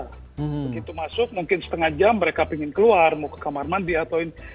begitu masuk mungkin setengah jam mereka ingin keluar mau ke kamar mandi atau ini